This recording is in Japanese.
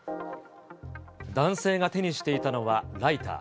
男性が手にしていたのはライター。